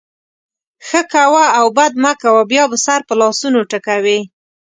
ښه کوه او بد مه کوه؛ بیا به سر په لاسونو ټکوې.